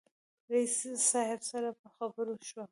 رئیس صاحب سره په خبرو شوم.